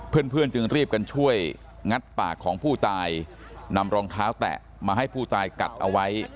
เพื่อนจึงรีบกันช่วยงัดปากของผู้ตายนำรองเท้าแตะมาให้ผู้ตายกัดเอาไว้